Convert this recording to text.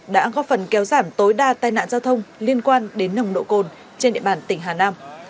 đã góp phần kéo giảm tối đa tai nạn giao thông liên quan đến nồng độ cồn trên địa bàn tỉnh hà nam